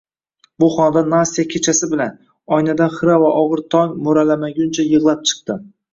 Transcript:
Bu xonada Nastya kechasi bilan, oynadan xira va ogʻir tong moʻralamaguncha yigʻlab chiqdi.